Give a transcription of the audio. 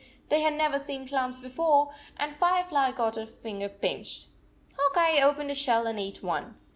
They had never seen clams be fore, and Firefly got her finger pinched. Hawk Eye opened a shell and ate one.